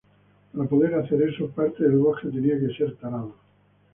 Para poder hacer eso, parte del bosque tenía que ser talado.